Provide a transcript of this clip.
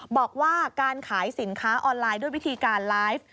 บอกว่าการขายสินค้าออนไลน์ด้วยวิธีการไลฟ์